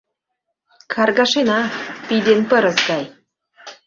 Каргашена, пий дене пырыс гай.